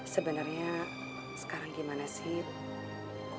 sebenernya sekarang gimana sih